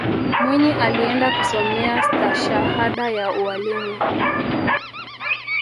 mwinyi alienda kusomea stashahada ya ualimu